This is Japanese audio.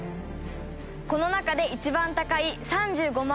この中で一番高い３５万